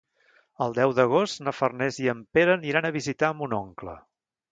El deu d'agost na Farners i en Pere aniran a visitar mon oncle.